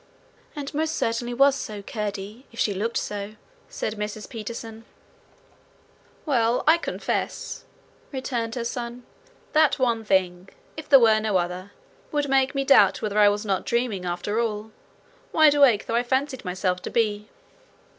'And most certainly was so, Curdie, if she looked so,' said Mrs Peterson. 'Well, I confess,' returned her son, 'that one thing, if there were no other, would make me doubt whether I was not dreaming, after all, wide awake though I fancied myself to be.'